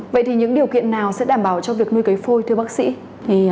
vậy thì những điều kiện nào sẽ đảm bảo cho việc nuôi cấy phôi thưa bác sĩ